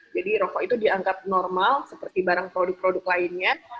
jadi rokok itu diangkat normal seperti barang produk produk lainnya